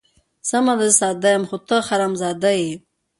سمه ده زه ساده یم، خو ته حرام زاده یې.